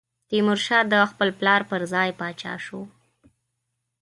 تیمورشاه د خپل پلار پر ځای پاچا شو.